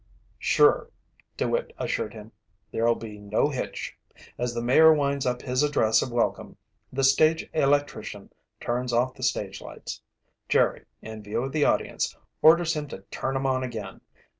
"Sure," DeWitt assured him. "There'll be no hitch. As the mayor winds up his address of welcome, the stage electrician turns off the stage lights. Jerry, in view of the audience, orders him to turn 'em on again.